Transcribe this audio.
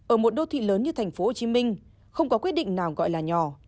ở một đô thị lớn như tp hcm không có quyết định nào gọi là nhỏ